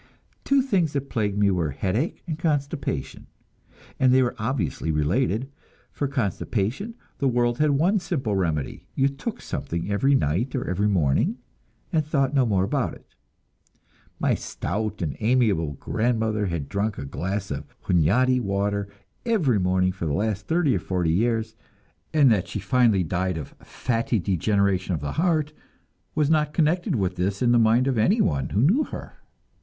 Two things that plagued me were headache and constipation, and they were obviously related. For constipation, the world had one simple remedy; you "took something" every night or every morning, and thought no more about it. My stout and amiable grandmother had drunk a glass of Hunyadi water every morning for the last thirty or forty years, and that she finally died of "fatty degeneration of the heart" was not connected with this in the mind of anyone who knew her.